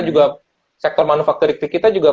juga sektor manufaktur kita juga